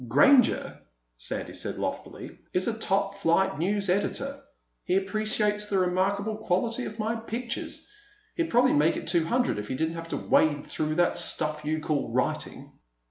"Granger," Sandy said loftily, "is a top flight news editor. He appreciates the remarkable quality of my pictures. He'd probably make it two hundred if he didn't have to wade through that stuff you call writing."